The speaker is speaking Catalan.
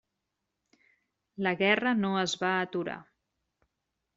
La guerra no es va aturar.